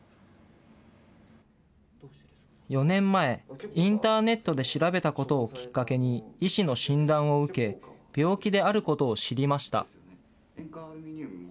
４年前、インターネットで調べたことをきっかけに医師の診断を受け、病気であることを知りました。